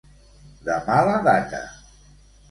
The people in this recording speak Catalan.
De mala data.